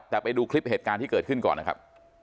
แต่ไปดูคลิปเหตุการณ์ที่เกิดขึ้นก่อนนะครับ